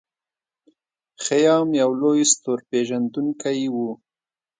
خیام یو لوی ستورپیژندونکی و.